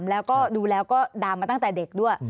แล้วก็ดูแล้วก็ดามมาตั้งแต่เด็กด้วย